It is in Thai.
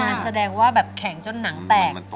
แสดงว่าแบบแข็งจนหนังแตก